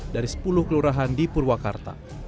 dari sepuluh kelurahan di purwakarta